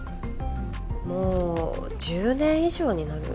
もう１０年以上になる？